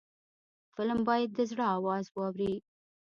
فلم باید د زړه آواز واوري